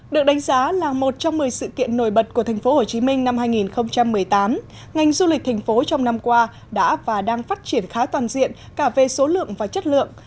được đánh giá là một trong một mươi sự kiện nổi bật của tp hcm năm hai nghìn một mươi tám ngành du lịch thành phố trong năm qua đã và đang phát triển khá toàn diện cả về số lượng và chất lượng